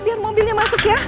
biar mobilnya masuk ya